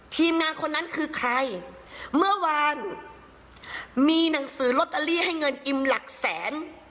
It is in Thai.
ทีมงานคนนั้นคือใครเมื่อวานมีหนังสือลอตเตอรี่ให้เงินอิมหลักแสน